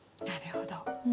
なるほど。